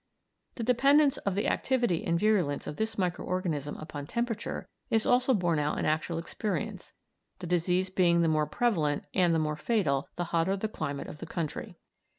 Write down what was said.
The dependence of the activity and virulence of this micro organism upon temperature is also borne out in actual experience, the disease being the more prevalent and the more fatal the hotter the climate of the country.